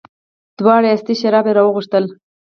دواړو استي شراب راوغوښتل.